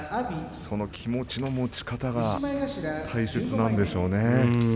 その気持ちの持ち方が大切なんでしょうね。